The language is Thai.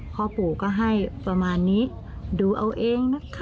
พ่อปู่ก็ให้ประมาณนี้ดูเอาเองนะคะ